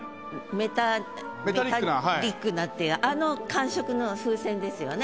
メタリックなっていうあの感触の風船ですよね。